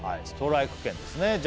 ストライク軒ですね